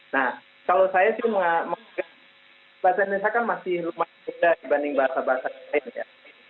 nah kalau saya sih menganggap bahasa indonesia kan masih lumayan muda dibanding bahasa bahasa lain ya